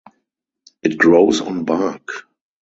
It grows on bark.